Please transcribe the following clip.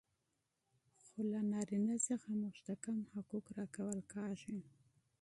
مګر له نارينه څخه موږ ته کم حقوق را کول کيږي.